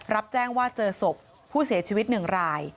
รับแจ้งว่าเจอศพผู้เสียชีวิต๑ราย